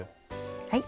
はい。